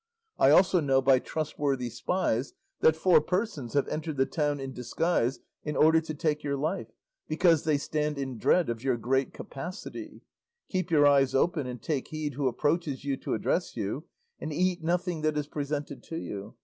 I also know by trustworthy spies that four persons have entered the town in disguise in order to take your life, because they stand in dread of your great capacity; keep your eyes open and take heed who approaches you to address you, and eat nothing that is presented to you.